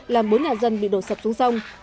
làm bốn nhà dân bị đổ sập xuống sông